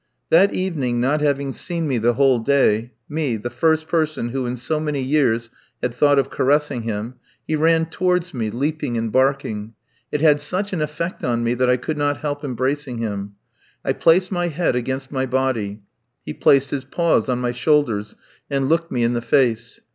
That evening, not having seen me the whole day me, the first person who in so many years had thought of caressing him he ran towards me, leaping and barking. It had such an effect on me that I could not help embracing him. I placed his head against my body. He placed his paws on my shoulders and looked me in the face.